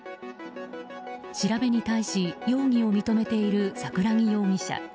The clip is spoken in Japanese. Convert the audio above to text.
調べに対し容疑を認めている桜木容疑者。